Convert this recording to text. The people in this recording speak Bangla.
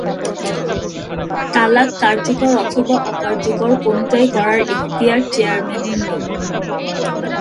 তালাক কার্যকর অথবা অকার্যকর কোনটাই করার এখতিয়ার চেয়ারম্যানের নেই।